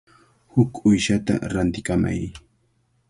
Huk uyshata rantikamay.